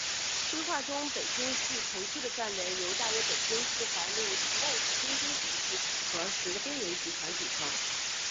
规划中北京市城区的范围由大约北京四环路以内的中心城区和十个边缘集团组成。